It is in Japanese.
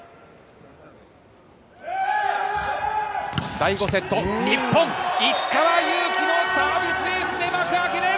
第５セット、日本、石川祐希のサービスエースで幕開けです。